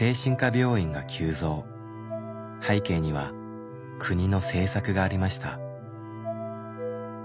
背景には国の政策がありました。